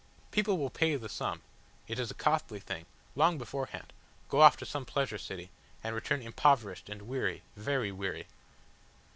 People will pay the sum it is a costly thing long beforehand, go off to some pleasure city and return impoverished and weary, very weary."